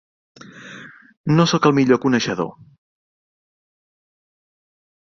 No soc el millor coneixedor.